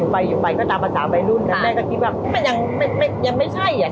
พ่ออยู่ไปก็ตามมา๓รุ่นน่ะแม่ก็คิดว่า